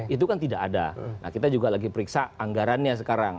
itu kan tidak ada nah kita juga lagi periksa anggarannya sekarang